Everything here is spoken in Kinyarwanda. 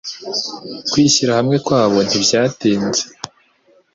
Kwishyira hamwe kwabo ntibyatinze